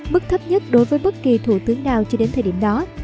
mức thấp nhất đối với bất kỳ thủ tướng nào cho đến thời điểm đó